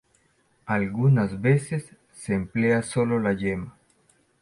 Algunas veces se emplea solo la yema.